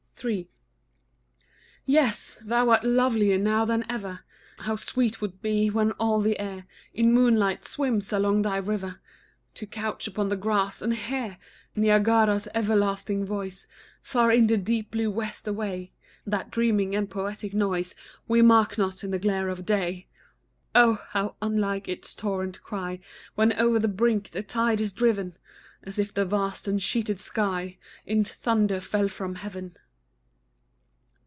III. Yes! thou art lovelier now than ever; How sweet 'twould be, when all the air In moonlight swims, along thy river To couch upon the grass, and hear Niagara's everlasting voice, Far in the deep blue west away; That dreaming and poetic noise We mark not in the glare of day, Oh! how unlike its torrent cry, When o'er the brink the tide is driven, As if the vast and sheeted sky In thunder fell from heaven.